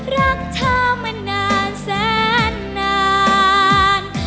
รักเธอมานานแสนนาน